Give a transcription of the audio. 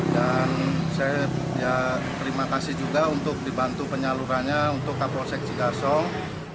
dan saya ya terima kasih juga untuk dibantu penyalurannya untuk kapolsek cigasong